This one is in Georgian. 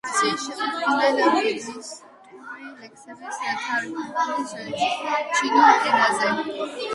ისინი შეუდგნენ ბუდისტური ტექსტების თარგმნას ჩინურ ენაზე.